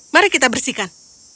mari kita bersihkan